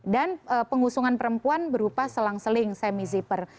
dan pengusungan perempuan berupa selang seling semi zipper